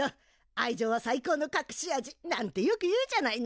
愛情は最高のかくし味なんてよく言うじゃないの！